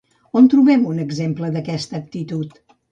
On trobem un exemple d'aquesta actitud?